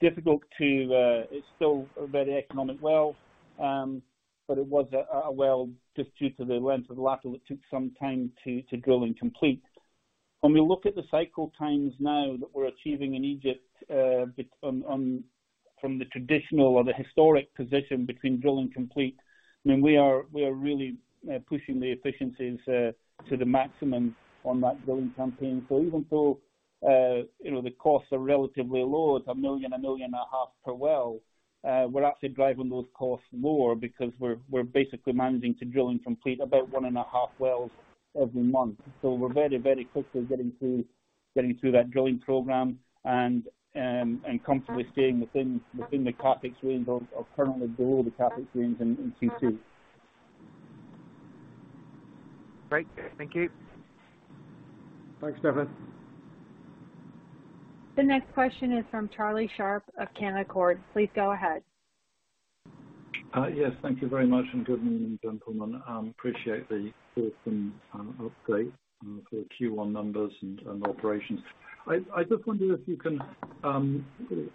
difficult to... It's still a very economic well, but it was a well just due to the length of the lateral it took some time to drill and complete. When we look at the cycle times now that we're achieving in Egypt, on... from the traditional or the historic position between drill and complete, I mean, we are really pushing the efficiencies to the maximum on that drilling campaign. Even though, you know, the costs are relatively low, it's $1 million, $1.5 million per well, we're actually driving those costs more because we're basically managing to drill and complete about one and a half wells every month. We're very, very quickly getting through that drilling program and comfortably staying within the CapEx range or currently below the CapEx range in Q2. Great. Thank you. Thanks, Stephan. The next question is from Charlie Sharp of Canaccord. Please go ahead. Yes, thank you very much. Good morning, gentlemen. Appreciate the awesome update for the Q1 numbers and operations. I just wonder if you can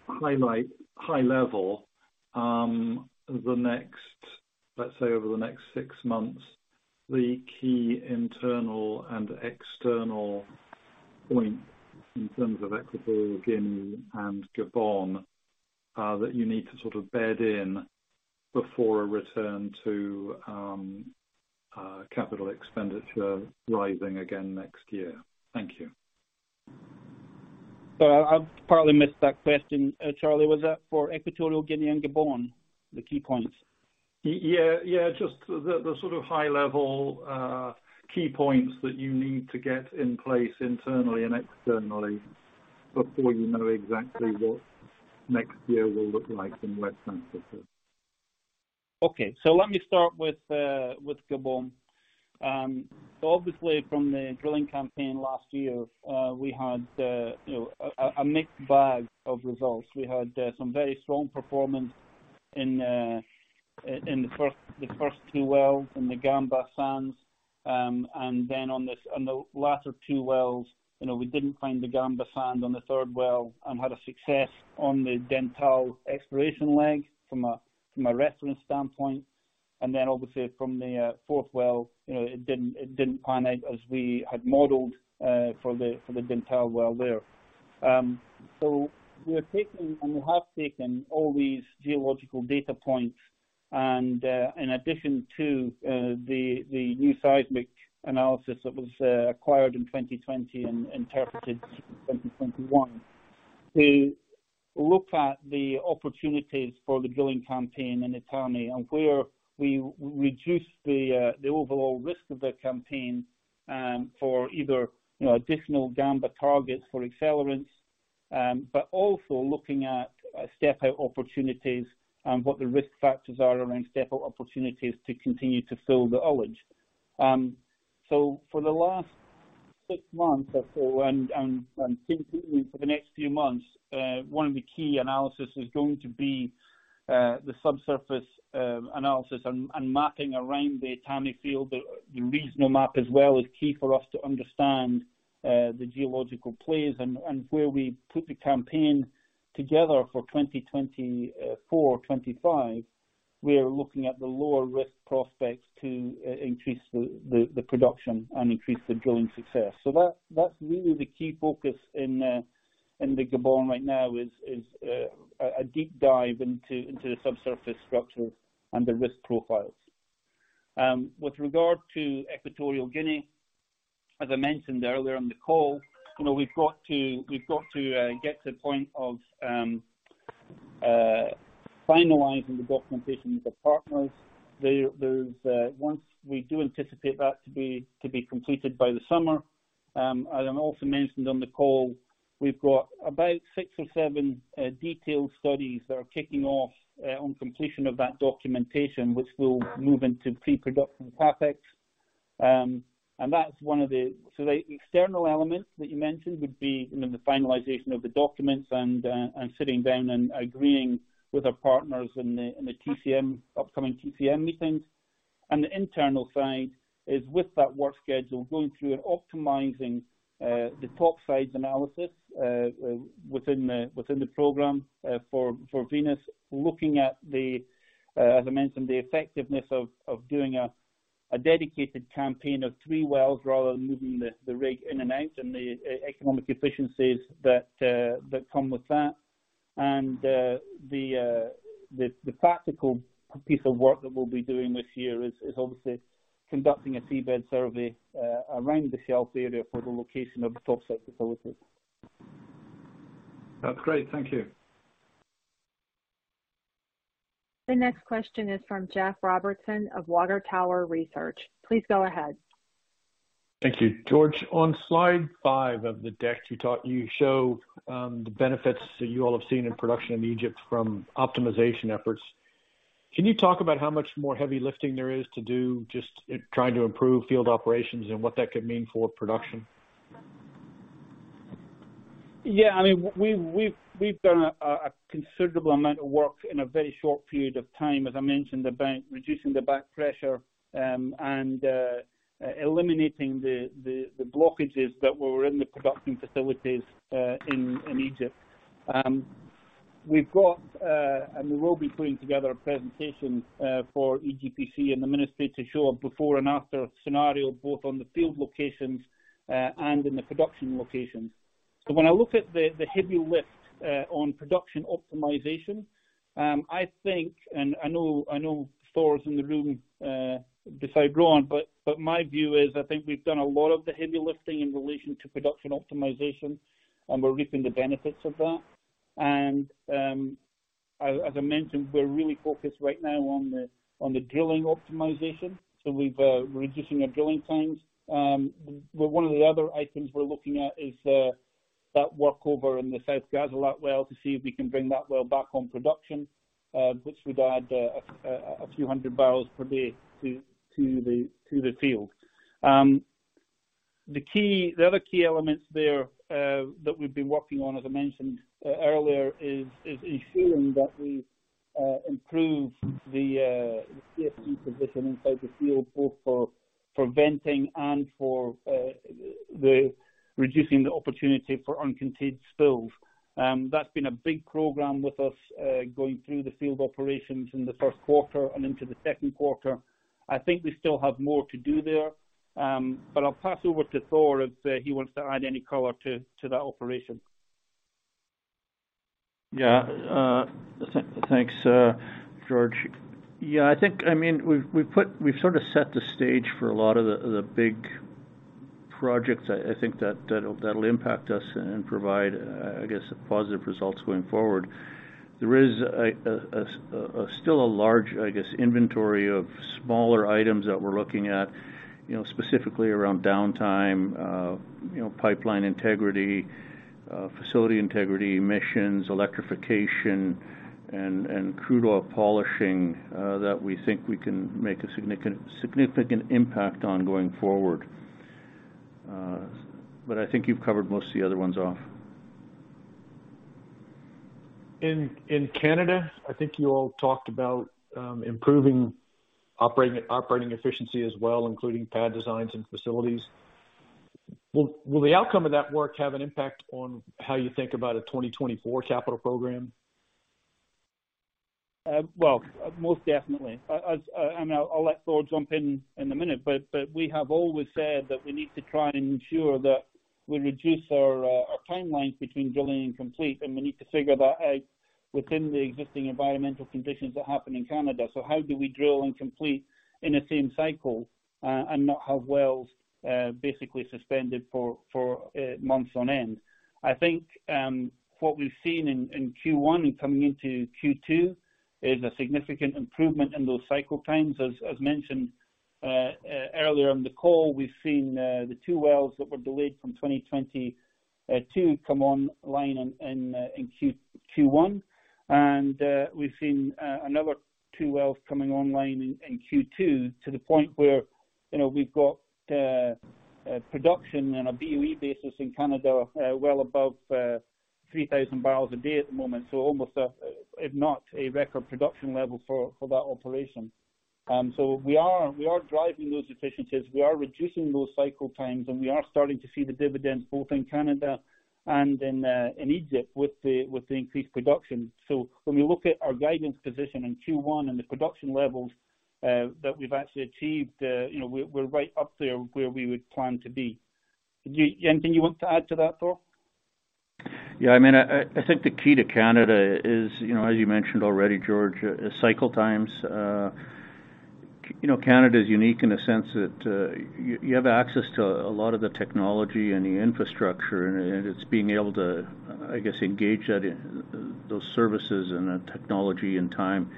highlight high level the next let's say over the next six months, the key internal and external points in terms of Equatorial Guinea and Gabon that you need to sort of bed in before a return to capital expenditure rising again next year. Thank you. I partly missed that question. Charlie, was that for Equatorial Guinea and Gabon, the key points? Yeah, just the sort of high level key points that you need to get in place internally and externally before you know exactly what next year will look like in West Africa. Okay. let me start with with Gabon. Obviously from the drilling campaign last year, we had, you know, a mixed bag of results. We had some very strong performance in the first, the first two wells in the Gamba Sands. On this, on the latter two wells, you know, we didn't find the Gamba Sand on the third well and had a success on the Dentale exploration leg from a, from a reference standpoint. Obviously from the fourth well, you know, it didn't, it didn't pan out as we had modeled for the, for the Dentale well there. We are taking, and we have taken all these geological data points and in addition to the new seismic analysis that was acquired in 2020 and interpreted in 2021. We look at the opportunities for the drilling campaign in Etame and where we reduce the overall risk of the campaign for either, you know, additional Gamba targets for accelerants. Also looking at step out opportunities and what the risk factors are around step out opportunities to continue to fill the adage. For the last six months or so, and continuously for the next few months, one of the key analysis is going to be the subsurface analysis and mapping around the Etame field. The regional map as well is key for us to understand the geological plays and where we put the campaign together for 2024, 2025. We are looking at the lower risk prospects to increase the production and increase the drilling success. That, that's really the key focus in the Gabon right now is, a deep dive into the subsurface structures and the risk profiles. With regard to Equatorial Guinea, as I mentioned earlier on the call, you know, we've got to get to the point of finalizing the documentation with the partners. There's. Once we do anticipate that to be completed by the summer, as I also mentioned on the call, we've got about six or seven detailed studies that are kicking off on completion of that documentation, which will move into pre-production CapEx. And that's one of the. The external elements that you mentioned would be, you know, the finalization of the documents and sitting down and agreeing with our partners in the TCM, upcoming TCM meetings. The internal side is with that work schedule, going through and optimizing the top side analysis within the program for Venus, looking at the, as I mentioned, the effectiveness of doing a dedicated campaign of three wells rather than moving the rig in and out and the economic efficiencies that come with that. The practical piece of work that we'll be doing this year is obviously conducting a seabed survey around the shelf area for the location of the top set facilities. That's great. Thank you. The next question is from Jeff Robertson of WaterTower Research. Please go ahead. Thank you. George, on slide five of the deck, you show the benefits that you all have seen in production in Egypt from optimization efforts. Can you talk about how much more heavy lifting there is to do just in trying to improve field operations and what that could mean for production? Yeah, I mean, we've done a considerable amount of work in a very short period of time, as I mentioned, about reducing the back pressure, and eliminating the blockages that were in the production facilities in Egypt. We've got, and we will be putting together a presentation for EGPC and the ministry to show a before and after scenario, both on the field locations, and in the production locations. When I look at the heavy lift on production optimization, I think, and I know Thor's in the room to say otherwise, but my view is I think we've done a lot of the heavy lifting in relation to production optimization, and we're reaping the benefits of that. As I mentioned, we're really focused right now on the drilling optimization. We're reducing our drilling times. One of the other items we're looking at is that work over in the South Ghazalat well to see if we can bring that well back on production, which would add a few hundred barrels per day to the field. The other key elements there that we've been working on, as I mentioned earlier, is ensuring that we improve the CSP position inside the field, both for preventing and for reducing the opportunity for uncontained spills. That's been a big program with us going through the field operations in the first quarter and into the second quarter. I think we still have more to do there. I'll pass over to Thor if he wants to add any color to that operation. Yeah. Thanks, George. I mean, we've sort of set the stage for a lot of the big projects I think that'll impact us and provide, I guess, positive results going forward. There is a still a large, I guess, inventory of smaller items that we're looking at, you know, specifically around downtime, you know, pipeline integrity, facility integrity, emissions, electrification and crude oil polishing that we think we can make a significant impact on going forward. I think you've covered most of the other ones off. In Canada, I think you all talked about improving operating efficiency as well, including pad designs and facilities. Will the outcome of that work have an impact on how you think about a 2024 capital program? Well, most definitely. I, and I'll let Thor jump in in a minute, but we have always said that we need to try and ensure that we reduce our timelines between drilling and complete, and we need to figure that out within the existing environmental conditions that happen in Canada. How do we drill and complete in the same cycle, and not have wells, basically suspended for months on end? I think, what we've seen in Q1 and coming into Q2 is a significant improvement in those cycle times. As mentioned earlier on the call, we've seen the two wells that were delayed from 2022 come online in Q1. We've seen another two wells coming online in Q2 to the point where, you know, we've got production on a BOE basis in Canada, well above 3,000 barrels a day at the moment. Almost a, if not a record production level for that operation. We are driving those efficiencies. We are reducing those cycle times, and we are starting to see the dividends both in Canada and in Egypt with the increased production. When we look at our guidance position in Q1 and the production levels that we've actually achieved, you know, we're right up there where we would plan to be. Anything you want to add to that, Thor? Yeah, I mean, I think the key to Canada is, you know, as you mentioned already, George, is cycle times. You know, Canada is unique in a sense that you have access to a lot of the technology and the infrastructure, and it's being able to, I guess, engage that those services and the technology and time.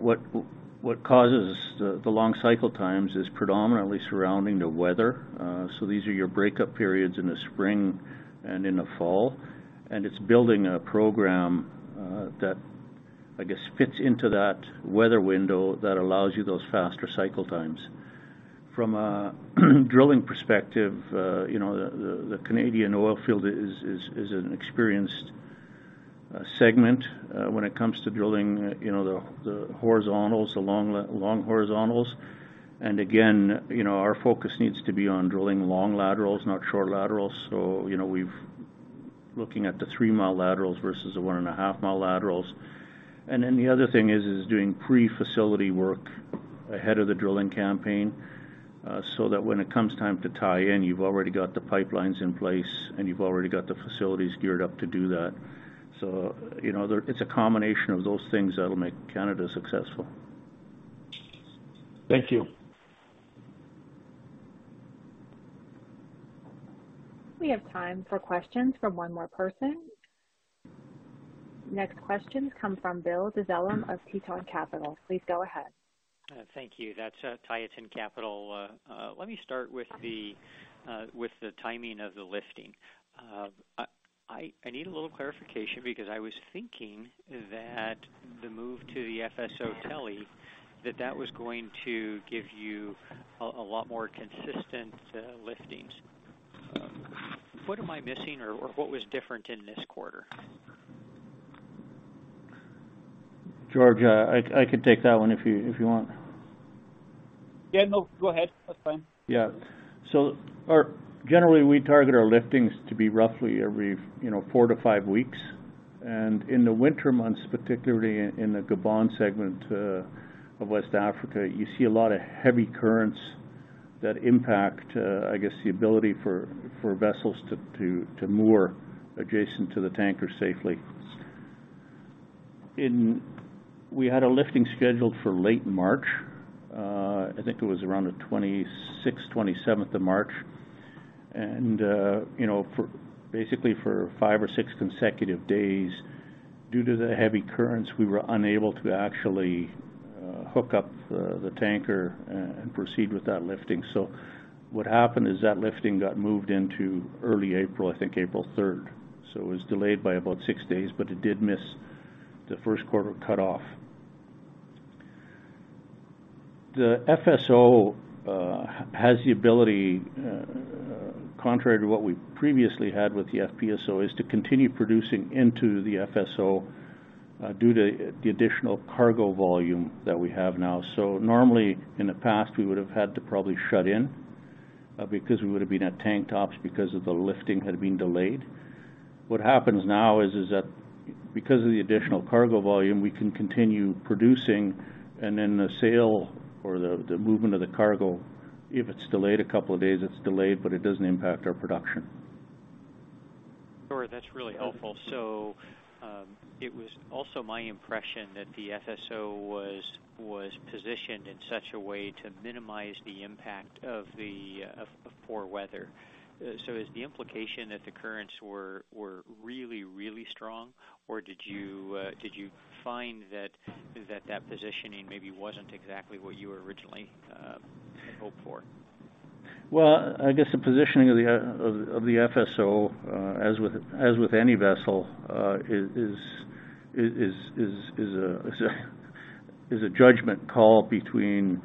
What causes the long cycle times is predominantly surrounding the weather. These are your breakup periods in the spring and in the fall, and it's building a program that, I guess, fits into that weather window that allows you those faster cycle times. From a drilling perspective, you know, the Canadian oil field is an experienced segment when it comes to drilling, you know, the horizontals, the long horizontals. Again, you know, our focus needs to be on drilling long laterals, not short laterals. You know, Looking at the three-mile laterals versus the one-and-a-half mile laterals. Then the other thing is doing pre-facility work ahead of the drilling campaign, so that when it comes time to tie in, you've already got the pipelines in place, and you've already got the facilities geared up to do that. You know, It's a combination of those things that'll make Canada successful. Thank you. We have time for questions from one more person. Next question comes from Bill Dezellem of Tieton Capital. Please go ahead. Thank you. That's Tieton Capital. Let me start with the timing of the lifting. I need a little clarification because I was thinking that the move to the FSO Teli, that was going to give you a lot more consistent liftings. What am I missing or what was different in this quarter? George, I could take that one if you want. Yeah, no, go ahead. That's fine. Yeah. Generally, we target our liftings to be roughly every, you know, four weeks to five weeks. In the winter months, particularly in the Gabon segment of West Africa, you see a lot of heavy currents that impact, I guess, the ability for vessels to moor adjacent to the tanker safely. We had a lifting schedule for late March. I think it was around the 26th, 27th of March. You know, for basically for five or six consecutive days, due to the heavy currents, we were unable to actually hook up the tanker and proceed with that lifting. What happened is that lifting got moved into early April, I think April 3rd. It was delayed by about six days, but it did miss the first quarter cutoff. The FSO has the ability, contrary to what we previously had with the FPSO, is to continue producing into the FSO due to the additional cargo volume that we have now. Normally, in the past, we would have had to probably shut in because we would have been at tank tops because of the lifting had been delayed. What happens now is that because of the additional cargo volume, we can continue producing, and then the sale or the movement of the cargo, if it's delayed a couple of days, it's delayed, but it doesn't impact our production. Sure. That's really helpful. It was also my impression that the FSO was positioned in such a way to minimize the impact of the poor weather. Is the implication that the currents were really, really strong, or did you find that positioning maybe wasn't exactly what you originally hoped for? I guess the positioning of the FSO is a judgment call between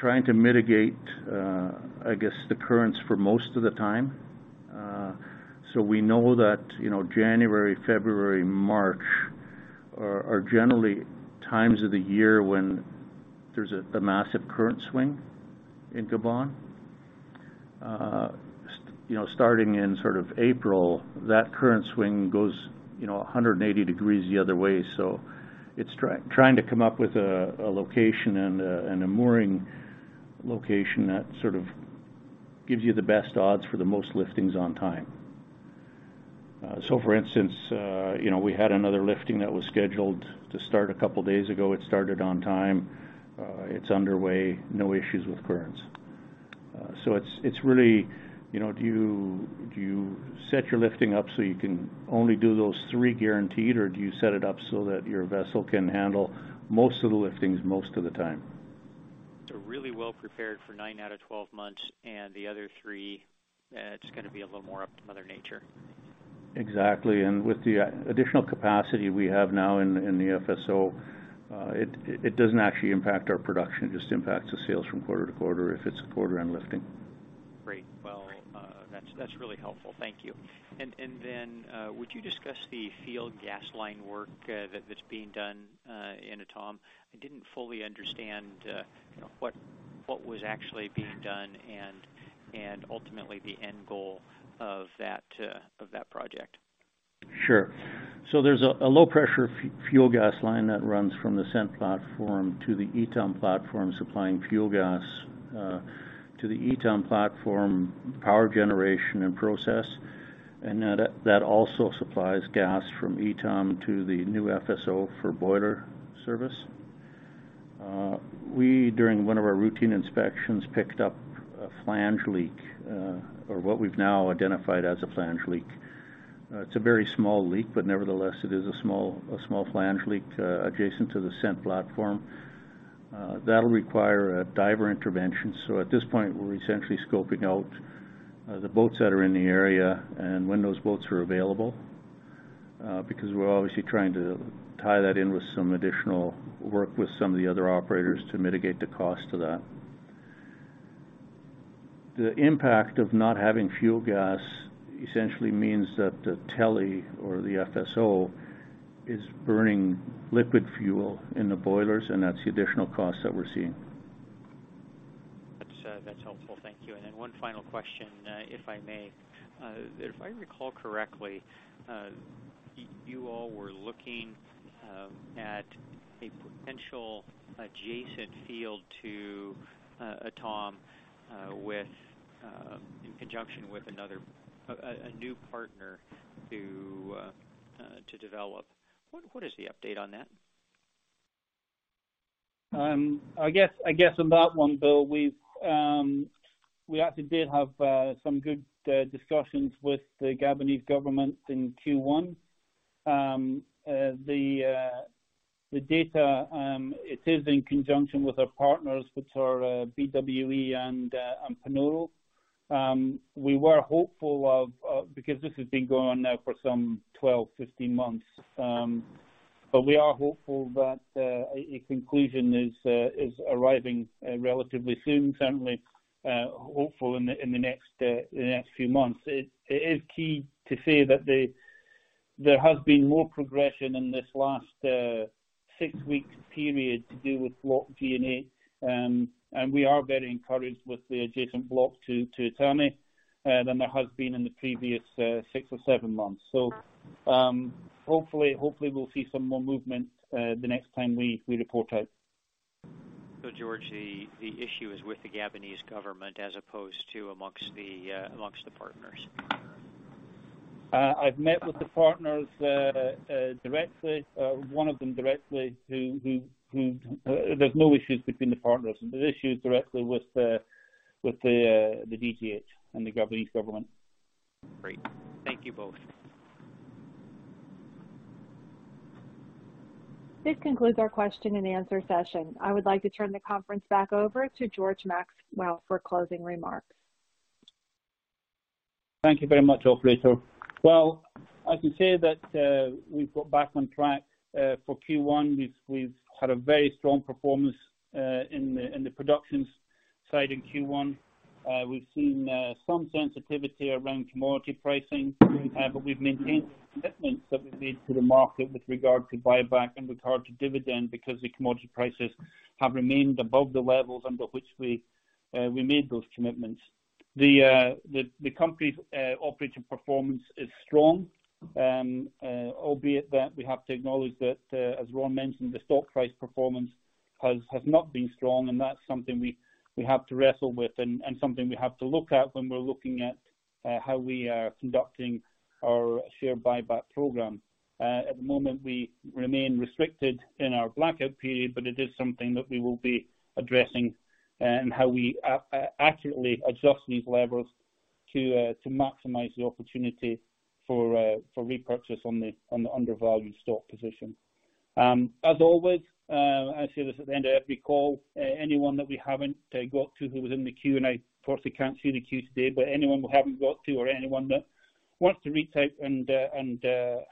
trying to mitigate, I guess, the currents for most of the time. We know that, you know, January, February, March are generally times of the year when there's a massive current swing in Gabon. You know, starting in sort of April, that current swing goes, you know, 180 degrees the other way. It's trying to come up with a location and a mooring location that sort of gives you the best odds for the most liftings on time. For instance, you know, we had another lifting that was scheduled to start a couple of days ago. It started on time. It's underway, no issues with currents. It's really, you know, do you set your lifting up so you can only do those 3 guaranteed, or do you set it up so that your vessel can handle most of the liftings most of the time? Really well prepared for 9 out of 12 months and the other 3, it's gonna be a little more up to mother nature. Exactly. With the additional capacity we have now in the FSO, it doesn't actually impact our production. It just impacts the sales from quarter to quarter if it's a quarter end lifting. Great. Well, that's really helpful. Thank you. Then, would you discuss the field gas line work that's being done in Etame? I didn't fully understand, you know, what was actually being done and ultimately the end goal of that project. Sure. There's a low pressure fuel gas line that runs from the CENT Platform to the Etame Platform, supplying fuel gas to the Etame Platform power generation and process. That also supplies gas from Etame to the new FSO for boiler service. We, during one of our routine inspections, picked up a flange leak, or what we've now identified as a flange leak. It's a very small leak, but nevertheless, it is a small flange leak adjacent to the CENT Platform. That'll require a diver intervention. At this point, we're essentially scoping out the boats that are in the area and when those boats are available, because we're obviously trying to tie that in with some additional work with some of the other operators to mitigate the cost of that. The impact of not having fuel gas essentially means that the Teli or the FSO is burning liquid fuel in the boilers. That's the additional cost that we're seeing. That's, that's helpful. Thank you. One final question, if I may. If I recall correctly, you all were looking at a potential adjacent field to Etame, with in conjunction with another... A new partner to develop. What is the update on that? I guess on that one, Bill, we've actually did have some good discussions with the Gabonese government in Q1. The data it is in conjunction with our partners, which are BWE and Panoro. We were hopeful of because this has been going on now for some 12 months, 15 months. We are hopeful that a conclusion is arriving relatively soon, certainly hopeful in the next few months. It is key to say that there has been more progression in this last six weeks period to do with block DNA. We are very encouraged with the adjacent block to Etame than there has been in the previous six or seven months. Hopefully, we'll see some more movement, the next time we report out. George, the issue is with the Gabonese government as opposed to amongst the partners? I've met with the partners, directly, one of them directly. There's no issues between the partners. There's issues directly with the DGH and the Gabonese government. Great. Thank you both. This concludes our question and answer session. I would like to turn the conference back over to George Maxwell for closing remarks. Thank you very much, operator. Well, I can say that we've got back on track for Q1. We've had a very strong performance in the production side in Q1. We've seen some sensitivity around commodity pricing, but we've maintained commitments that we've made to the market with regard to buyback and regard to dividend because the commodity prices have remained above the levels under which we made those commitments. The company's operating performance is strong. Albeit that we have to acknowledge that as Ron mentioned, the stock price performance has not been strong, that's something we have to wrestle with and something we have to look at when we're looking at how we are conducting our share buyback program. At the moment, we remain restricted in our blackout period, but it is something that we will be addressing and how we accurately adjust these levers to maximize the opportunity for repurchase on the undervalued stock position. As always, I say this at the end of every call. Anyone that we haven't got to who was in the queue, and I unfortunately can't see the queue today, but anyone we haven't got to or anyone that wants to reach out and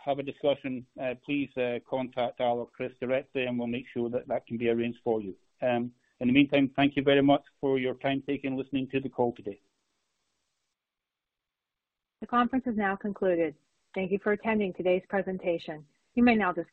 have a discussion, please contact Al or Chris directly, and we'll make sure that that can be arranged for you. In the meantime, thank you very much for your time taken listening to the call today. The conference is now concluded. Thank you for attending today's presentation. You may now disconnect.